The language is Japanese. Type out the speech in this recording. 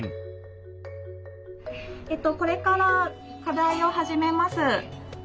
これから課題を始めます。